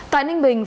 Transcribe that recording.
tại ninh bình